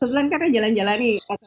sebenarnya kan jalan jalan nih